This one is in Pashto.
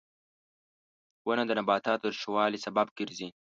• ونه د نباتاتو د ښه والي سبب ګرځي.